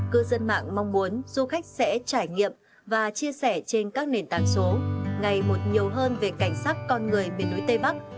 cư dân mạng mong muốn du khách sẽ trải nghiệm và chia sẻ trên các nền tảng số ngày một nhiều hơn về cảnh sắc con người miền núi tây bắc